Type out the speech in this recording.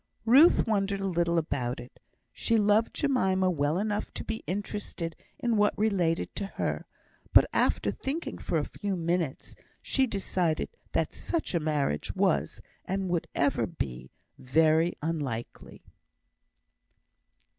Ruth wondered a little about it. She loved Jemima well enough to be interested in what related to her; but, after thinking for a few minutes, she decided that such a marriage was, and would ever be, very unlikely.